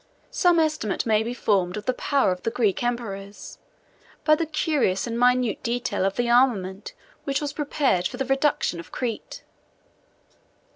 75 Some estimate may be formed of the power of the Greek emperors, by the curious and minute detail of the armament which was prepared for the reduction of Crete.